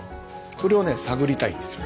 それをね探りたいんですよ。